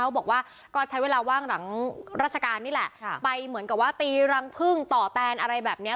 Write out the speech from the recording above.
บอกว่าก็ใช้เวลาว่างหลังราชการนี่แหละไปเหมือนกับว่าตีรังพึ่งต่อแตนอะไรแบบเนี้ย